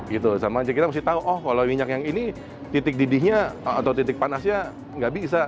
kita harus tahu oh kalau minyak yang ini titik didihnya atau titik panasnya nggak bisa